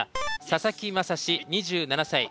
佐々木真志２７歳。